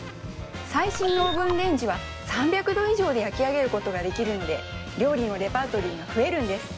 最新のオーブンレンジは３００度以上で焼き上げることができるので料理のレパートリーが増えるんです